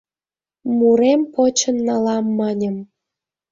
Мурем почын налам маньым